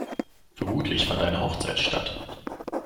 Vermutlich fand eine Hochzeit statt.